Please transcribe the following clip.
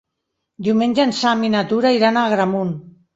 Diumenge en Sam i na Tura iran a Agramunt.